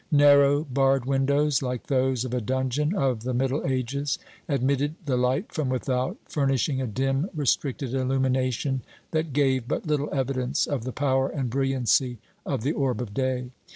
Narrow, barred windows, like those of a dungeon of the middle ages, admitted the light from without, furnishing a dim, restricted illumination that gave but little evidence of the power and brilliancy of the orb of day.